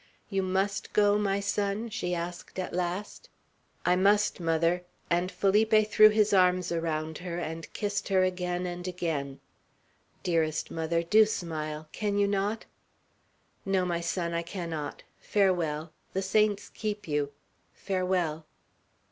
"You must go, my son?" she asked at last. "I must, mother!" and Felipe threw his arms around her, and kissed her again and again. "Dearest mother! Do smile! Can you not?" "No, my son, I cannot. Farewell. The saints keep you. Farewell."